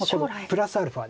プラスアルファです。